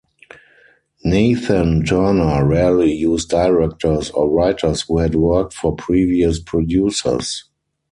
Nathan-Turner rarely used directors or writers who had worked for previous producers.